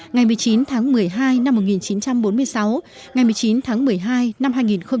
ngày một mươi chín tháng một mươi hai năm một nghìn chín trăm bốn mươi sáu ngày một mươi chín tháng một mươi hai năm hai nghìn một mươi tám